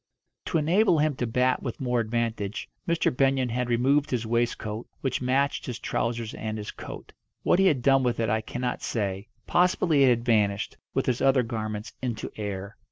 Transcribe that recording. To enable him to bat with more advantage, Mr. Benyon had removed his waistcoat, which matched his trousers and his coat. What he had done with it I cannot say; possibly it had vanished, with his other garments, into air.